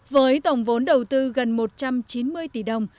với tổng vốn đầu tư gần một trăm chín mươi tỷ đồng